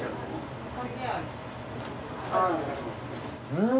うん！